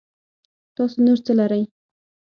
تاسو نور څه لرئ